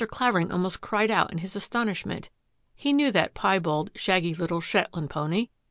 Clavering almost cried out in his astonish ment. He knew that piebald, shaggy little Shet land pony.